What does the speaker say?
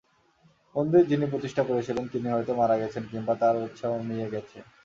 মন্দির যিনি প্রতিষ্ঠা করেছিলেন তিনি হয়তো মারা গেছেন কিংবা তাঁর উৎসাহ মিইয়ে গেছে।